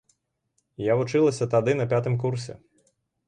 Я вучылася тады на пятым курсе.